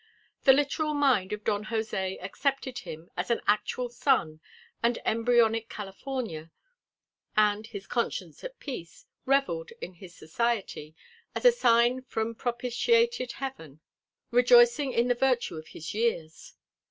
The literal mind of Don Jose accepted him as an actual son and embryonic California, and, his conscience at peace, revelled in his society as a sign from propitiated heaven; rejoicing in the virtue of his years.